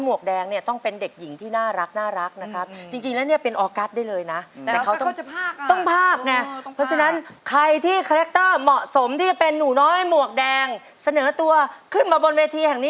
สวัสดีค่ะพี่หอยก็สงสัยว่าอันนี้เป็นนูน้อยหมวกแดงหรืออะไรนะ